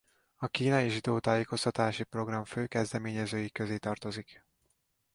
A kínai zsidó tájékoztatási program fő kezdeményezői közé tartozik.